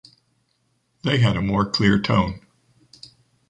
They had a more clear tone